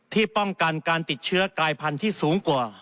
ป้องกันการติดเชื้อกลายพันธุ์ที่สูงกว่า